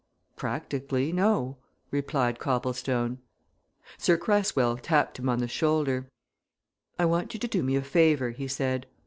"Practically, no," replied Copplestone. Sir Cresswell tapped him on the shoulder. "I want you to do me a favour," he said.